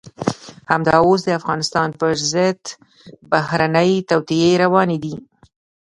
همدا اوس د افغانستان په ضد بهرنۍ توطئې روانې دي.